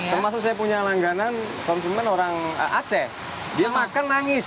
termasuk saya punya langganan konsumen orang aceh dia makan nangis